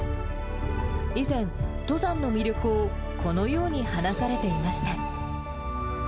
以前、登山の魅力をこのように話されていました。